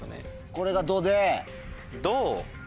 これが「ド」で。